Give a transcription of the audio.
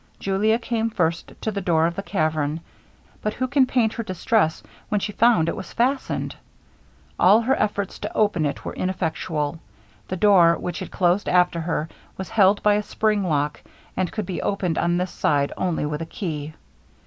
Julia came first to the door of the cavern, but who can paint her distress when she found it was fastened! All her efforts to open it were ineffectual. The door which had closed after her, was held by a spring lock, and could be opened on this side only with a key.